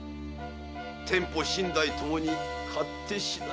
店舗身代ともに勝手次第。